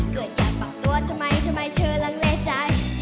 เกือบอยากปากตัวทำไมทำไมเธอละเลจัย